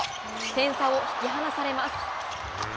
点差を引き離されます。